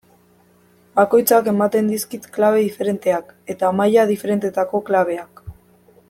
Bakoitzak ematen dizkit klabe diferenteak, eta maila diferentetako klabeak.